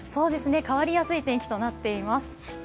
変わりやすい天気となっています。